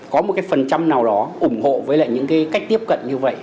có một cái phần trăm nào đó ủng hộ với lại những cái cách tiếp cận như vậy